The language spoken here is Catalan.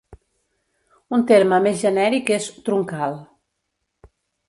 Un terme més genèric és "troncal".